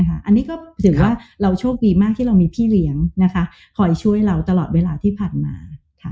อันนี้ก็ถือว่าเราโชคดีมากที่เรามีพี่เลี้ยงคอยช่วยเราตลอดเวลาที่ผ่านมา